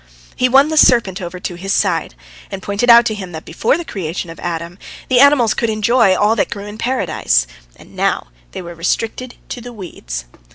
He won the serpent over to his side, and pointed out to him that before the creation of Adam the animals could enjoy all that grew in Paradise, and now they were restricted to the weeds.